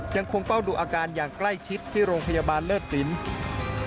ยังคงเฝ้าดูอาการอย่างใกล้ชิดที่โรงพยาบาลเลิศสิน